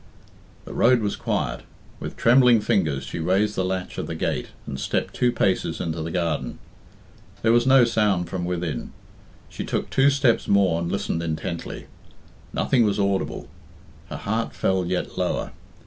The road was quiet. With trembling fingers she raised the latch of the gate, and stepped two paces into the garden. There was no sound from within. She took two steps more and listened intently. Nothing was audible. Her heart fell yet lower.